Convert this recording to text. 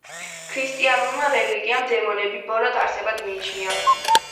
ქრისტიანულმა რელიგიამ დემონები ბოროტ არსებად მიიჩნია.